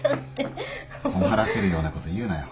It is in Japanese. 困らせるようなこと言うなよ。